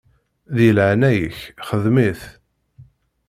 Di leɛnaya-k xdem-it.